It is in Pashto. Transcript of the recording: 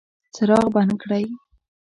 څراغ بند کړئ